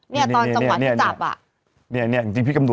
นี่ตอนจำไม่ได้ที่จับ